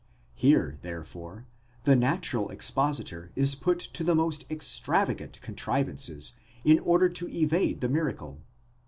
Here, therefore, the natural expositor is put to the most extravagant contrivances in order to evade the miracle.